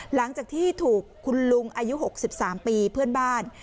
หลังจากที่ถูกคุณลุงอายุ๖๓ปีเพื่อนบ้าน